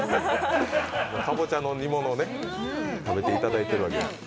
かぼちゃの煮物を食べていただいてるわけ。